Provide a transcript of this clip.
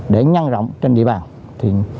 để nhăn rộng trên địa bàn